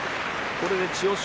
これで千代翔